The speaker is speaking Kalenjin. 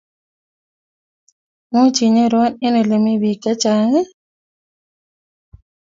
Much inyorwo eng ole mi biik chechang?